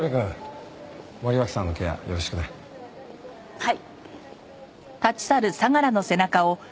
はい。